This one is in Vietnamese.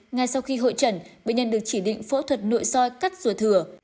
ngay sau khi hội trận bệnh nhân được chỉ định phẫu thuật nội soi cắt ruột thừa